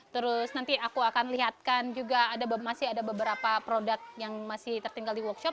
terus nanti aku akan lihatkan juga masih ada beberapa produk yang masih tertinggal di workshop